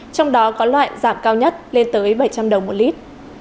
trong đó có loại giảm cao nhất lên tới bảy trăm linh đồng một lít